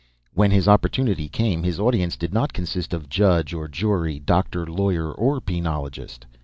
When his opportunity came, his audience did not consist of judge or jury, doctor, lawyer or penologist.